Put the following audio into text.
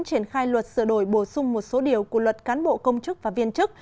triển khai luật sửa đổi bổ sung một số điều của luật cán bộ công chức và viên chức